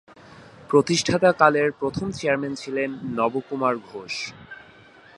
প্রতিষ্ঠাতা কালের প্রথম চেয়ারম্যান ছিলেন নব কুমার ঘোষ।